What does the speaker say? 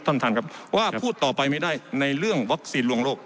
ท่านท่านครับว่าพูดต่อไปไม่ได้ในเรื่องวัคซีนลวงโลก